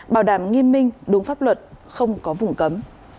bảo đảm nghiêm minh đúng pháp luật không có vùng cấm